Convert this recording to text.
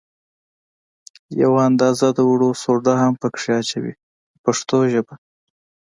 یوه اندازه د اوړو سوډا هم په کې اچوي په پښتو ژبه.